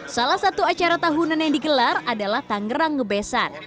salah satu acara tahunan yang digelar adalah tangerang ngebesan